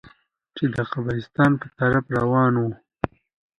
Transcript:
چې د قبرستان په طرف روانه وه.